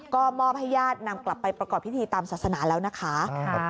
ก็มอบให้ญาตินำกลับไปประกอบพิธีตามศาสนาแล้วนะคะ